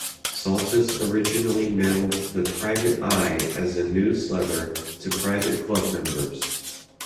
Saltas originally mailed the "Private Eye" as a newsletter to private club members.